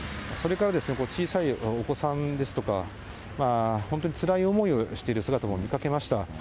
それから小さいお子さんですとか、本当につらい思いをしている姿を見かけました。